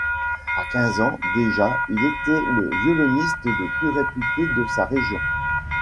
À quinze ans, déjà, il était le violoniste le plus réputé de sa région.